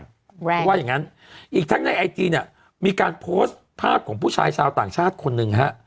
เพราะว่าอย่างงั้นอีกทั้งในไอจีเนี่ยมีการโพสต์ภาพของผู้ชายชาวต่างชาติคนหนึ่งฮะ